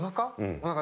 おなか？